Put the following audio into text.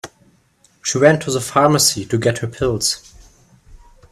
She went to the pharmacy to get her pills.